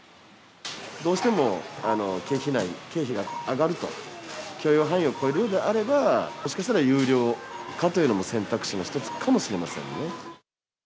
どうしても経費内、経費が上がると、許容範囲を超えるようであれば、もしかしたら、有料化というのも選択肢の一つかもしれませんね。